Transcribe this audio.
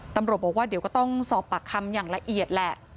ตำรวจบอกว่าเดี๋ยวก็ต้องสอบปากคำอย่างละเอียดแหละ